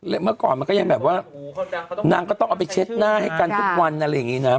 เมื่อก่อนมันก็ยังแบบว่านางก็ต้องเอาไปเช็ดหน้าให้กันทุกวันอะไรอย่างนี้นะ